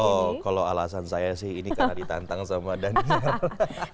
oh kalau alasan saya sih ini karena ditantang sama daniel